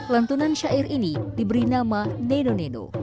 lantunan syair ini diberi nama neno neno